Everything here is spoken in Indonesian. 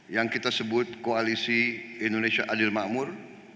yang kita sebut koalisi indonesia adil makmur